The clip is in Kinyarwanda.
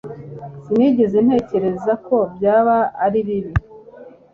Sinigeze ntekereza ko byaba ari bibi